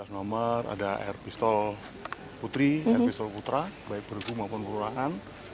empat belas nomor ada air pistol putri air pistol putra baik bergu maupun berurangan